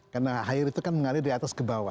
karena air itu kan mengalir dari atas ke bawah